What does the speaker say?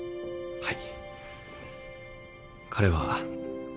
はい。